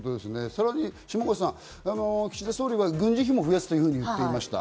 さらに下川さん、岸田総理は軍事費も増やすと言っていました。